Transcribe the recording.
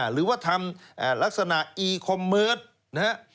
หรือว่าทำลักษณะอีคอมเมิร์ตนะฮะ